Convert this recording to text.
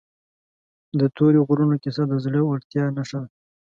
د تورې غرونو کیسه د زړه ورتیا نښه ده.